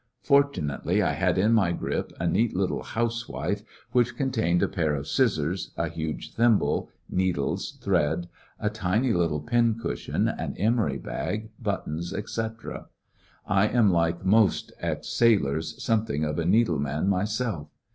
Fortunately I had in my grip a neat little "housewife " which contained a pair of scissors, a huge thimble, needles, thread, a tiny little pin cushion, an emery bag, buttons, etc. I am, like most ex sailors, something of a needleman myself.